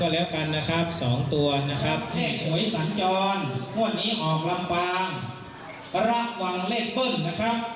เลขบึ้งเลขหาบได้มาแล้ว๓ตัวคืออะไรครับ